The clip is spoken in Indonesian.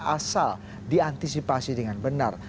asal diantisipasi dengan benar